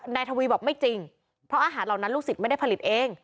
นายทวีบอกไม่จริงเพราะอาหารเหล่านั้นลูกศิษย์ไม่ได้ผลิตเอง